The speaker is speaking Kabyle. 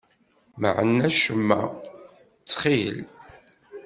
Mɛen acemma, ttxil.